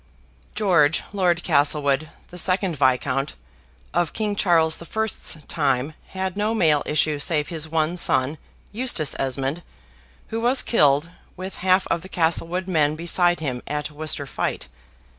George Lord Castlewood (the second Viscount), of King Charles the First's time, had no male issue save his one son, Eustace Esmond, who was killed, with half of the Castlewood men beside him, at Worcester fight.